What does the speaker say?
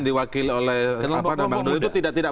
diwakili oleh bang doly itu tidak tidak